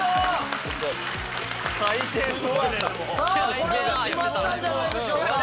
これは決まったんじゃないでしょうか。